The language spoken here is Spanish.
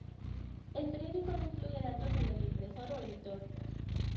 El periódico no incluye datos sobre el impresor o editor.